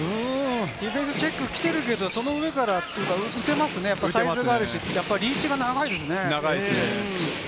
ディフェンスチェックきているけど、その上から打てますね、サイズがあるし、リーチが長いですよね。